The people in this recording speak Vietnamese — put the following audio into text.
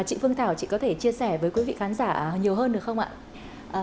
chị phương thảo chị có thể chia sẻ với quý vị khán giả nhiều hơn được không ạ